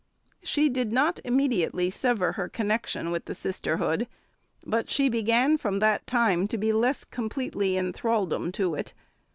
She did not immediately sever her connection with the sisterhood, but she began from that time to be less completely in thraldom to it.